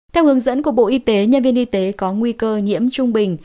theo hướng dẫn của bộ y tế nhân viên y tế có nguy cơ nhiễm trung bình